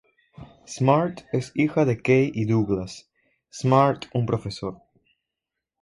Smart es hija de Kay y Douglas Smart, un profesor.